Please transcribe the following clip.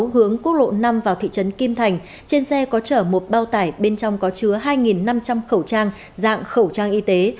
hướng quốc lộ năm vào thị trấn kim thành trên xe có chở một bao tải bên trong có chứa hai năm trăm linh khẩu trang dạng khẩu trang y tế